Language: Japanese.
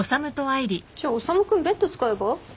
じゃあ修君ベッド使えば？